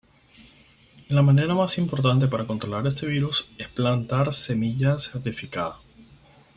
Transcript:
La manera más importante para controlar este virus es plantar semilla certificada.